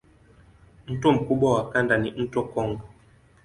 Mto mkubwa wa kanda ni mto Kongo.